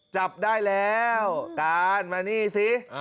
จับได้แล้วการมานี่สิ